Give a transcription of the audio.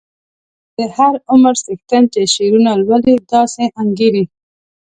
د هر عمر څښتن چې شعرونه لولي داسې انګیري.